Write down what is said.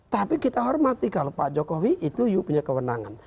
tapi kita hormati kalau pak jokowi itu punya kewenangan